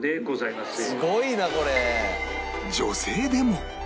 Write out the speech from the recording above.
すごいなこれ！